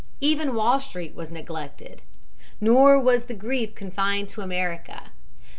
Even Wall Street was neglected. Nor was the grief confined to America.